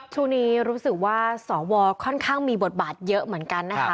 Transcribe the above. ช่วงนี้รู้สึกว่าสวค่อนข้างมีบทบาทเยอะเหมือนกันนะคะ